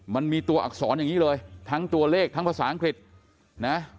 มันมีตัวอักษรอย่างนี้เลยทั้งตัวเลขทั้งภาษาอังกฤษนะ